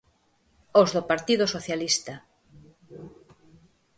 Os do Partido Socialista.